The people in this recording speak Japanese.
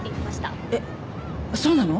えっそうなの？